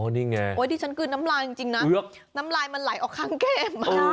นี่ไงดิฉันกลืนน้ำลายจริงนะน้ำลายมันไหลออกข้างแก้ม